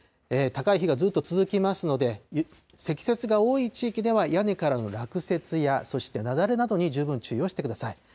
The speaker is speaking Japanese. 高い日がずっと続きますので、積雪が多い地域では屋根からの落雪や、そして雪崩などに十分注意をしてください。